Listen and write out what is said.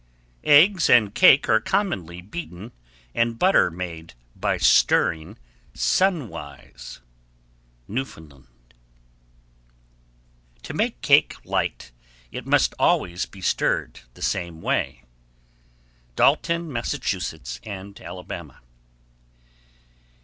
_ 1143. Eggs and cake are commonly beaten and butter made by stirring sunwise. Newfoundland. 1144. To make cake light, it must always be stirred the same way. _Dalton, Mass., and Alabama.